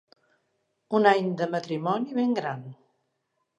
Un any de matrimoni, ben gran.